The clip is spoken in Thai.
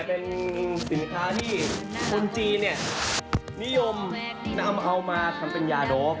เป็นสินค้าที่คนจีนเนี่ยนิยมนำเอามาทำเป็นยาโดป